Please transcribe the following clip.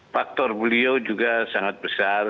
faktor beliau juga sangat besar